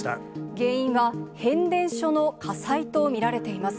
原因は変電所の火災と見られています。